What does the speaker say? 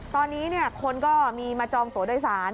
ตอนนี้คนก็มีมาจองตัวโดยสาร